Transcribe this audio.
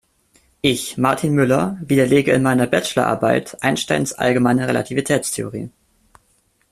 Ich, Martin Müller, widerlege in meiner Bachelorarbeit Einsteins allgemeine Relativitätstheorie.